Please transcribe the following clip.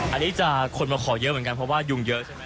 อันนี้จะคนมาขอเยอะเหมือนกันเพราะว่ายุงเยอะ